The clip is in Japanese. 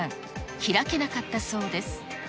開けなかったそうです。